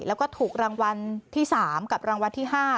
แล้วก็ถูกรางวัลที่๓กับรางวัลที่๕